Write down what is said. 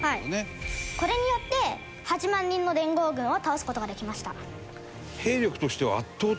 これによって８万人の連合軍を倒す事ができました。